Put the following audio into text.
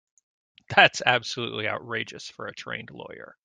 That's absolutely outrageous for a trained lawyer.